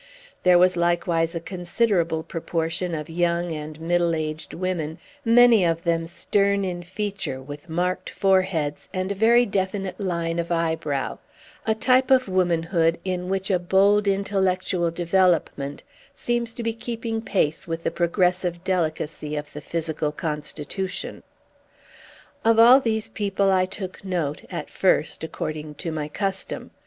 There was likewise a considerable proportion of young and middle aged women, many of them stern in feature, with marked foreheads, and a very definite line of eyebrow; a type of womanhood in which a bold intellectual development seems to be keeping pace with the progressive delicacy of the physical constitution. Of all these people I took note, at first, according to my custom.